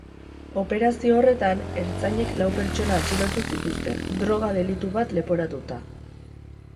Operazio horretan, ertzainek lau pertsona atxilotu zituzten, droga delitu bat leporatuta.